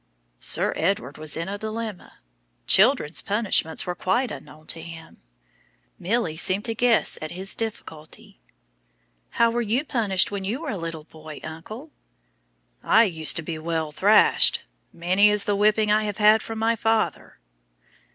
Sir Edward was in a dilemma; children's punishments were quite unknown to him. Milly seemed to guess at his difficulty. "How were you punished when you were a little boy, uncle?" "I used to be well thrashed. Many is the whipping that I have had from my father!"